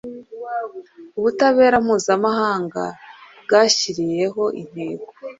ubutabera mpuzamahanga bwashyiriyeho intego